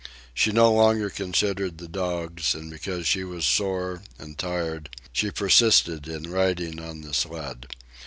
She no longer considered the dogs, and because she was sore and tired, she persisted in riding on the sled.